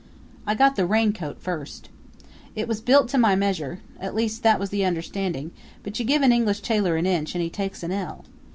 I got the raincoat first. It was built to my measure; at least that was the understanding; but you give an English tailor an inch and he takes an ell.